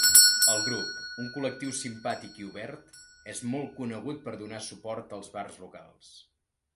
El grup, un col·lectiu simpàtic i obert, és molt conegut per donar suport als bars locals.